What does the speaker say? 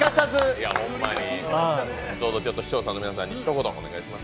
どうぞ視聴者の皆さんにひと言お願いします。